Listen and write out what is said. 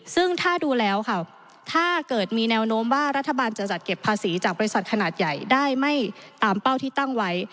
ซึ่งถ้าดูแล้วค่ะถ้าเกิดมีแนวโน้มว่ารัฐบาลจะจัดเก็บภาษีจากบริษัทขนาดใหญ่ได้ไม่ตามเป้าที่ตั้งไว้